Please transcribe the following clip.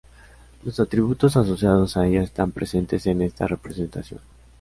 Los atributos asociados a ella están presentes en esta representación.